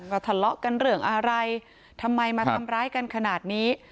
ก็ทะเลาะกันเรื่องอะไรทำไมมาทำร้ายกันขนาดนี้